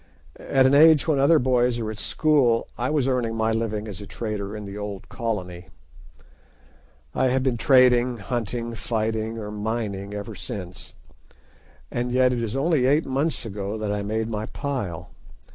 At an age when other boys are at school I was earning my living as a trader in the old Colony. I have been trading, hunting, fighting, or mining ever since. And yet it is only eight months ago that I made my pile.